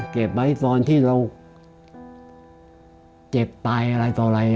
เก็บไว้ตอนที่เราเจ็บตายอะไรต่ออะไร